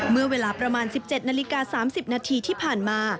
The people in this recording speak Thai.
เมื่อเวลาประมาณ๑๗นาฬิกา๓๐นาทีที่ผ่านมา